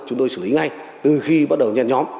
chúng tôi xử lý ngay từ khi bắt đầu nhen nhóm